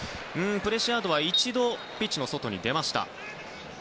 プレシアードは一度ピッチの外に出ました。